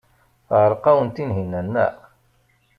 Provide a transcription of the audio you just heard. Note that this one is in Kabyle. Teɛreq-awen Tunhinan, naɣ?